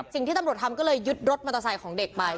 สิ่งที่ตำรวจทำก็เลยยึดรถมอเตอร์ไซค์ของเด็กไป